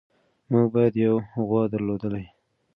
موږ باید یوه غوا درلودلی.